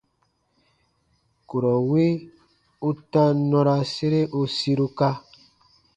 Kurɔ wi u tam nɔra sere u siruka.